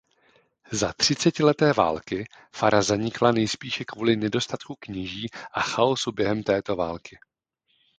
Za třicetileté války fara zanikla nejspíše kvůli nedostatku kněží a chaosu během této války.